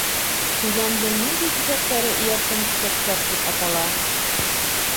Һөйләмдең ниндәй киҫәктәре эйәрсән киҫәктәр тип атала?